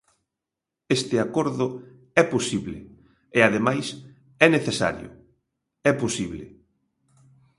Este acordo é posible e ademais é necesario, é posible.